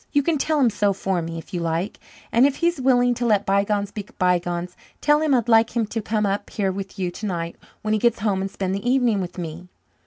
You can tell him so for me, if you like. And if he's willing to let bygones be bygones, tell him I'd like him to come up here with you tonight when he gets home and spend the evening with me."